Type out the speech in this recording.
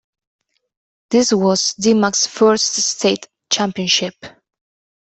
This was Deemack's first state championship.